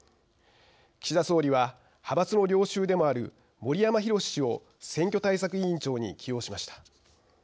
岸田総理は、派閥の領袖でもある森山裕氏を選挙対策委員長に起用しました。